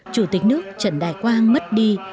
chủ tịch nước trần đại quang mất đi